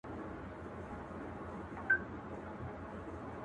د میوند شهیده مځکه د پردي پلټن مورچل دی!